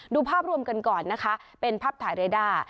ดูภาพรวมกันก่อนนะคะเป็นภาพถ่ายเรด้า